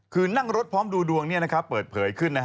คือนั่งรถพร้อมดูดวงเปิดเผยขึ้น